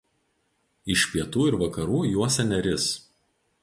Iš pietų ir vakarų juosia Neris.